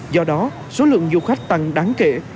do đó số lượng du khách tăng đáng kể